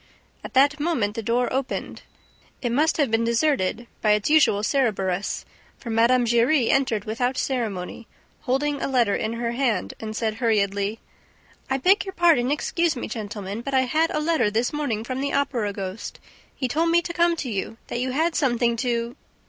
At that moment the door opened. It must have been deserted by its usual Cerberus, for Mme. Giry entered without ceremony, holding a letter in her hand, and said hurriedly: "I beg your pardon, excuse me, gentlemen, but I had a letter this morning from the Opera ghost. He told me to come to you, that you had something to